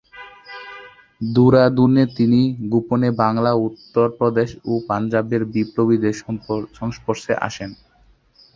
দেরাদুনে তিনি গোপনে বাংলা, উত্তর প্রদেশ ও পাঞ্জাবের বিপ্লবীদের সংস্পর্শে আসেন।